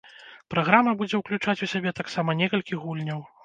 Праграма будзе ўключаць у сябе таксама некалькі гульняў.